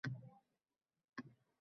Lekin siz shoshiling, kapitan